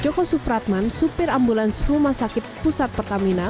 joko supratman supir ambulans rumah sakit pusat pertamina